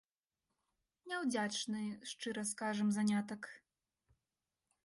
Няўдзячны, шчыра скажам, занятак!